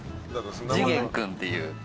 次元君っていう。